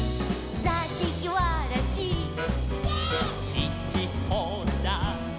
「しちほだ」